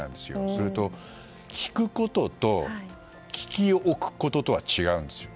それと聞くことと聞き置くこととは違うんですよ。